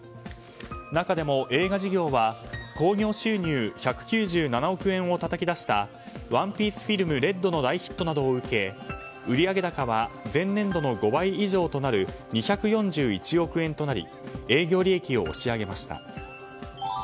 中でも、映画事業は興行収入１９７億円をたたき出した「ＯＮＥＰＩＥＣＥＦＩＬＭＲＥＤ」の大ヒットなどを受け売上高は前年度の５倍以上となる２４１億円となり営業利益を押し上げました。